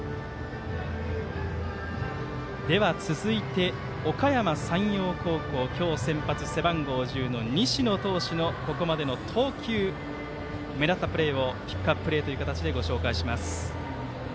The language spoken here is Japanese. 続いておかやま山陽高校今日先発、背番号１０の西野投手の、ここまでの投球目立ったプレーをピックアッププレーという形で紹介します。